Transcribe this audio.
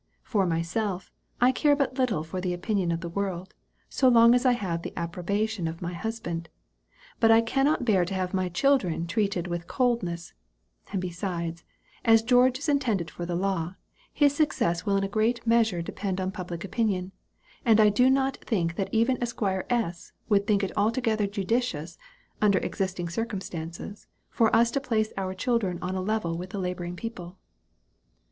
For myself, I care but little for the opinion of the world, so long as I have the approbation of my husband, but I cannot bear to have my children treated with coldness; and besides, as George is intended for the law, his success will in a great measure depend on public opinion; and I do not think that even Esq. S. would think it altogether judicious, under existing circumstances, for us to place our children on a level with the laboring people."